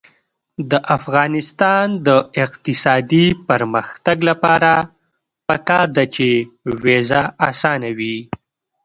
د افغانستان د اقتصادي پرمختګ لپاره پکار ده چې ویزه اسانه وي.